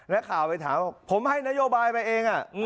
นักข่าวไปถามว่าผมให้นโยบายมาเอง